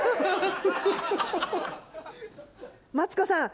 マツコさん